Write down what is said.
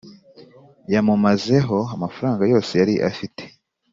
yamumazeho amafaranga yose yari afite